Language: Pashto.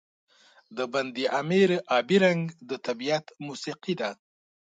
د بند امیر آبی رنګ د طبیعت موسيقي ده.